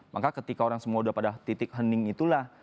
maka ketika orang semua sudah pada titik hening itulah